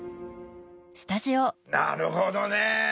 なるほどね。